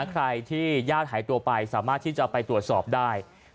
ใครที่ญาติหายตัวไปสามารถที่จะไปตรวจสอบได้